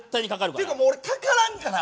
っていうかもう俺かからんから。